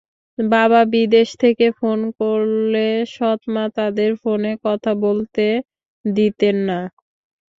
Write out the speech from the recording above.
বাবা বিদেশ থেকে ফোন করলে সৎমা তাদের ফোনে কথা বলতে দিতেন না।